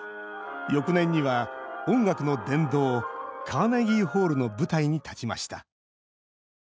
翌年には音楽の殿堂カーネギーホールの舞台に立ちました。